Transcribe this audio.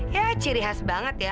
ya ciri khas banget ya